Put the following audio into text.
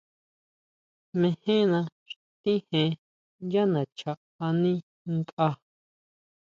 Mejena xtíjen yá nacha ani nkʼa.